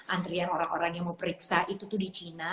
antrian orang orang yang mau periksa itu tuh di china